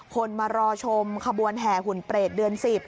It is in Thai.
คนมารอชมขบวนแห่หุ่นเปรตเดือน๑๐